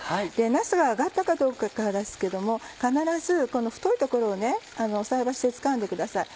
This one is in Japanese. なすが揚がったかどうかですけども必ずこの太い所を菜箸でつかんでください。